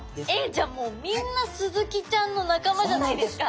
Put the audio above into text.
じゃあもうみんなスズキちゃんの仲間じゃないですか。